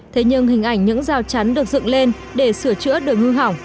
thế nhưng hình ảnh những rào chắn được dựng lên để sửa chữa đường hư hỏng